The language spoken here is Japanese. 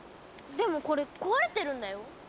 でもこれ壊れてるんだよ。